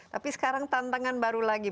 tapi sekarang tantangan baru lagi